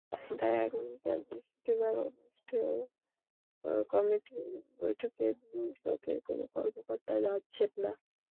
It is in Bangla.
তাই আগামীকাল বৃহস্পতিবার অনুষ্ঠেয় কমিটির বৈঠকে দুদকের কোনো কর্মকর্তা যাচ্ছেন না।